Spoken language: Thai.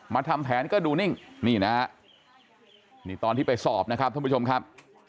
ทำแผนก็ดูนิ่งนี่นะฮะนี่ตอนที่ไปสอบนะครับท่านผู้ชมครับ